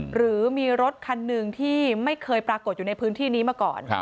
หรือมีรถคันหนึ่งที่ไม่เคยปรากฏอยู่ในพื้นที่นี้มาก่อน